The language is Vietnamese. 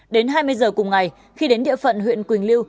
đến hai mươi giờ cùng ngày khi đến địa phận huyện quỳnh lưu